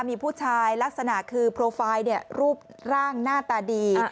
มีผู้ชายลักษณะคือโปรไฟล์รูปร่างหน้าตาดี